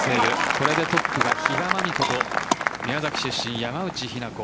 これでトップが比嘉真美子と宮崎出身、山内日菜子